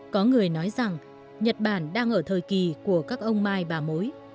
có người nói rằng nhật bản đang ở thời kỳ của các ông mai bà mối